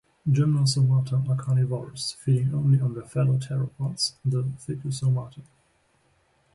Gymnosomata are carnivorous, feeding only on their fellow pteropods, the Thecosomata.